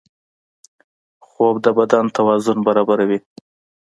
خوب د بدن توازن برابروي